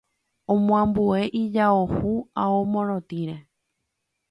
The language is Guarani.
Omoambue ijao hũ ao morotĩre